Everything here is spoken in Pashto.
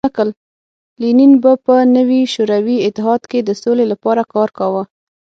لینین به په نوي شوروي اتحاد کې د سولې لپاره کار کاوه